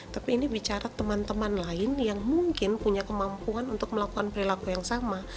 tapi ini bicara teman teman lain yang mungkin punya kemampuan untuk melakukan perilaku yang sama